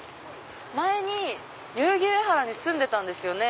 前に代々木上原に住んでたんですよね。